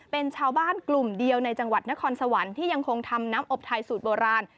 เป็นชาวบ้านกลุ่มเดียวในจังหวัดนครสวรรค์ที่ยังคงทำน้ำอบไทยสูตรโบราณ